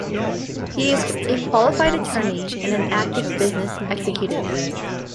He is a qualified attorney, and an active business executive.